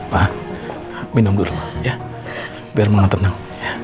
ma minum dulu ya biar mama tenang